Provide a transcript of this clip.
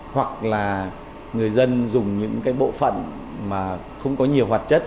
hoặc là người dân dùng những cái bộ phận mà không có nhiều hoạt chất